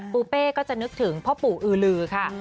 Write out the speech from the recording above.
ปูเป้ก็จะนึกถึงพ่อปู่อือลือค่ะ